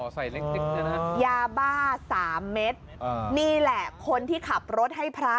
เจอยาบ้า๓เมตรนี่แหละคนที่ขับรถให้พระ